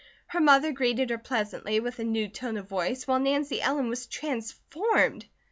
Her mother greeted her pleasantly, with a new tone of voice, while Nancy Ellen was transformed.